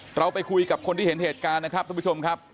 เราไปคุยกับคนที่เห็นเหตุการณ์นะครับทุกผู้ชมครับ